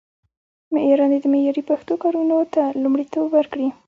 لیکوالان دې د معیاري پښتو کارونو ته لومړیتوب ورکړي.